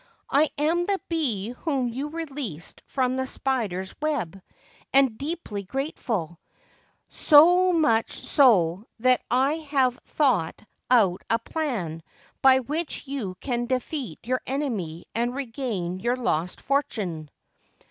' I am the bee whom you released from the spider's web, and deeply grateful ; so much so that I have thought out a plan by which you can defeat your enemy and regain your lost fortune.'